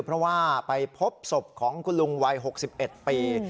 เพราะว่าไปพบศพของคุณลุงวัย๖๑ปี